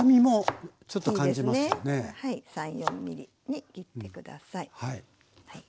３４ｍｍに切って下さい。